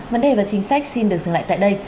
vấn đề và chính sách xin được dừng lại tại đây